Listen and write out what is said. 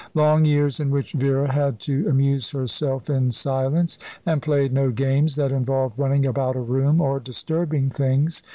Long years in which Vera had to amuse herself in silence, and play no games that involved running about a room, or disturbing things.